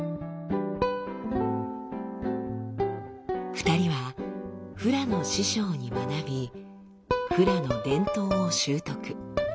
２人はフラの師匠に学びフラの伝統を習得。